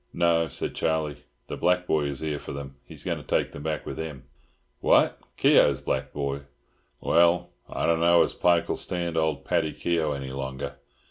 "No," said Charlie. "The black boy is here for them. He's going to take them back with him." "What, Keogh's black boy! Well, I don't know as Pike'll stand old Paddy Keogh any longer.